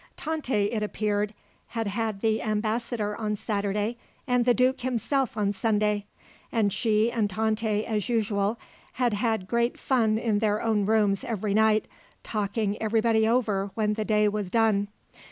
Tante, it appeared, had had the ambassador on Saturday and the Duke himself on Sunday. And she and Tante, as usual, had had great fun in their own rooms every night, talking everybody over when the day was done.